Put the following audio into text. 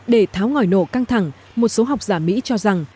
để tháo ngòi nổ căng thẳng một số học giả mỹ cho rằng